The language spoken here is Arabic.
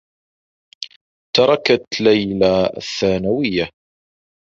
تركت ليلى الثّانويّة.